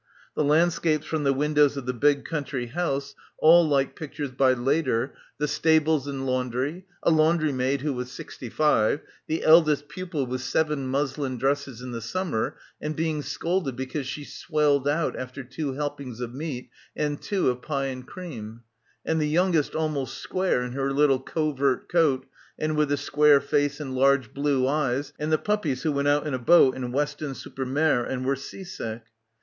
... The landscapes from the windows of the big country house, all — 145 — PILGRIMAGE like pictures by Leader, the stables and laundry, a "laundry maid" who was sixty five, the eldest pupil with seven muslin dresses in the summer and being scolded because she swelled out after two helpings of meait and two of pie and cream, and the youngest almost square in her little covert coat and with a square face and large blue eyes and the puppies who went out in a boat in Weston super Mare and were sea sick.